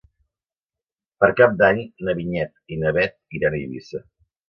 Per Cap d'Any na Vinyet i na Bet iran a Eivissa.